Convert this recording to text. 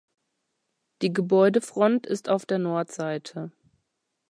Die Gebäudefront ist auf der Nordseite.